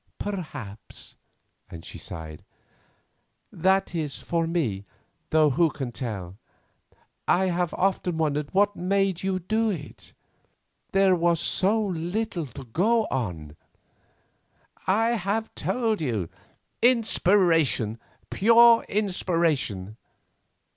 "Perhaps," and she sighed, "that is, for me, though who can tell? I have often wondered what made you do it, there was so little to go on." "I have told you, inspiration, pure inspiration."